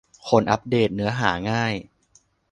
คนอัปเดตเนื้อหาง่าย ?